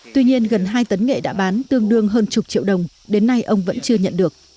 tuy nhiên gần hai tấn nghệ đã bán tương đương hơn chục triệu đồng đến nay ông vẫn chưa nhận được